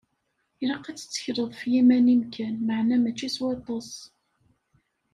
Ilaq ad tettekleḍ f yiman-im kan, meɛna mačči s waṭas.